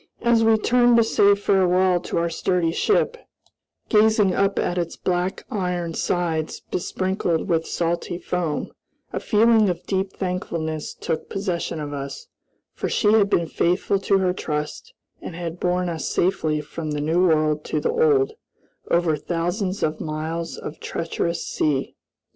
As we turned to say farewell to our sturdy ship gazing up at its black iron sides besprinkled with salty foam a feeling of deep thankfulness took possession of us, for she had been faithful to her trust, and had borne us safely from the New World to the Old, over thousands of miles of treacherous sea.